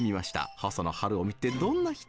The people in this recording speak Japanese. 細野晴臣ってどんな人？